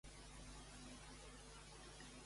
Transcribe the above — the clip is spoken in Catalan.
Digues una broma de bars.